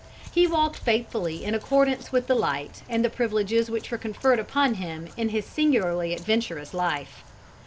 He walked faithfully in accordance with the light and the privileges which were conferred upon him in his singularly adventurous life.